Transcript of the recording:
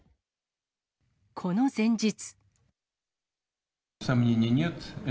この前日。